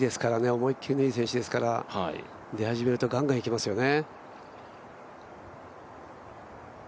思い切りのいい選手ですから出始めるとガンガンいきますよね。